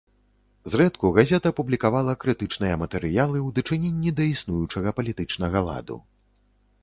Зрэдку газета публікавала крытычныя матэрыялы ў дачыненні да існуючага палітычнага ладу.